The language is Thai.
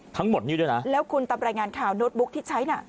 ทั้งหมดนี้ด้วยนะแล้วคุณตามรายงานข่าวโน้ตบุ๊กที่ใช้น่ะ